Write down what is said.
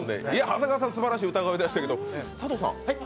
長谷川さん、すばらしい歌声でしたけど、佐藤さん